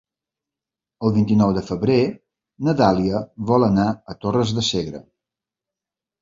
El vint-i-nou de febrer na Dàlia vol anar a Torres de Segre.